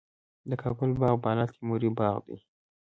د کابل باغ بالا تیموري باغ دی